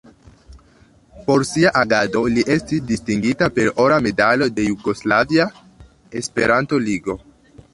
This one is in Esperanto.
Por sia agado li estis distingita per Ora medalo de Jugoslavia Esperanto-Ligo.